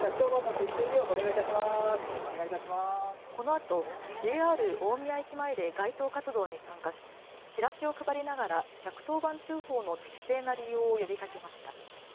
このあとＪＲ大宮駅前で街頭活動に参加しチラシを配りながら１１０番通報の適正な利用を呼びかけました。